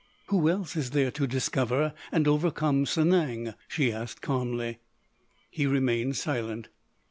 "Who else is there to discover and overcome Sanang?" she asked calmly. He remained silent.